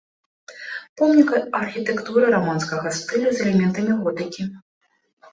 Помнік архітэктуры раманскага стылю з элементамі готыкі.